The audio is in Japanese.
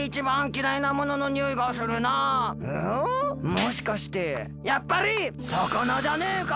もしかしてやっぱりさかなじゃねえか！